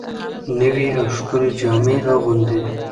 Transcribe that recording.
نوې او ښکلې جامې اغوندي